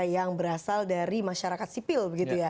yang berasal dari masyarakat sipil